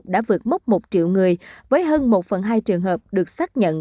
đã vượt mốc một triệu người với hơn một phần hai trường hợp được xác nhận